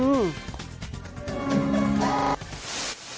เออ